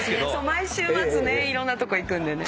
毎週末いろんなとこ行くんでね。